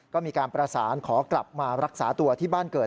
ก็มีการประสานขอกลับมารักษาตัวที่บ้านเกิด